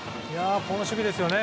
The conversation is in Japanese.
この守備ですよね。